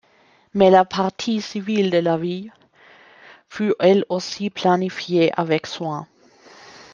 Mais la partie civile de la ville fut elle aussi planifiée avec soin.